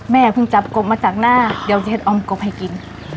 แม่พึงจับกบมาจากหน้าเดี๋ยวเจ๊อองกบให้กิน